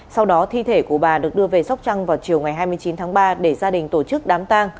sau đó thi thể của bà được đưa về sóc trăng vào chiều ngày hai mươi chín tháng ba để gia đình tổ chức đám tang